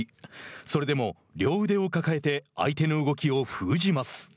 それでも両腕を抱えて相手の動きを封じます。